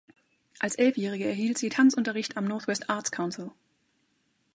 Als Elfjährige erhielt sie Tanzunterricht am North-West Arts Council.